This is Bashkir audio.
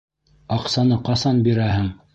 Аҡсаны ҡасан бирәһең?